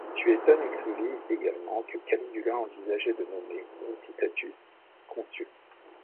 Suétone écrivit également que Caligula envisageait de nommer Incitatus consul.